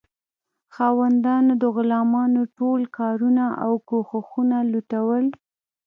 خاوندانو د غلامانو ټول کارونه او کوښښونه لوټول.